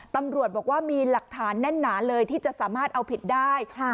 ตำรวจบอกว่ามีหลักฐานแน่นหนาเลยที่จะสามารถเอาผิดได้